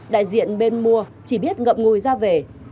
đại diện bên mua chỉ biết ngậm ngùi ra về